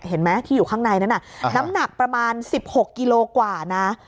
เห็นไหมที่อยู่ข้างในนั้นน่ะน้ำหนักประมาณ๑๖กิโลกว่านะ